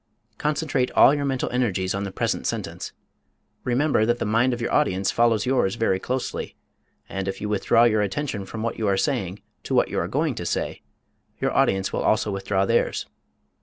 Concentrate all your mental energies on the present sentence. Remember that the mind of your audience follows yours very closely, and if you withdraw your attention from what you are saying to what you are going to say, your audience will also withdraw theirs.